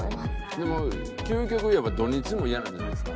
でも究極言えば土日もイヤなんじゃないですか？